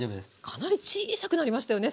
かなり小さくなりましたよね